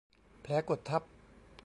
แผลกดทับ